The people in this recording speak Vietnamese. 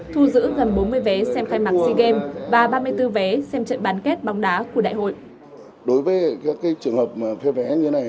thu giữ gần bốn mươi vé xem khai mạng sea games và ba mươi bốn vé xem trận bán kết bóng đá của đại hội